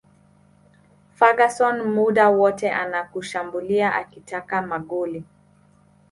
Ferguson muda wote anakushambulia akitaka magoli